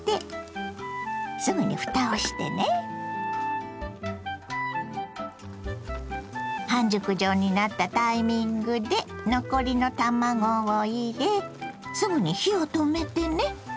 まず半熟状になったタイミングで残りの卵を入れすぐに火を止めてね。